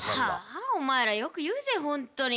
はあお前らよく言うぜ本当に。